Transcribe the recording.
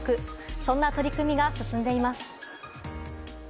そんな取り組みが進んでいます。